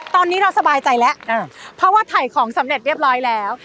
ตอนนี้เราสบายใจแล้วเพราะว่าถ่ายของสำเร็จเรียบร้อยแล้ว